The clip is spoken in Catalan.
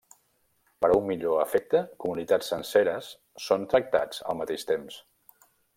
Per a un millor efecte, comunitats senceres són tractats al mateix temps.